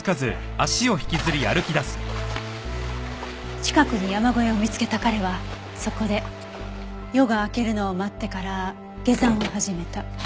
近くに山小屋を見つけた彼はそこで夜が明けるのを待ってから下山を始めた。